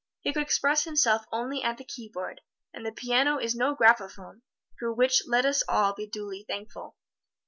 He could express himself only at the keyboard, and the piano is no graphophone, for which let us all be duly thankful.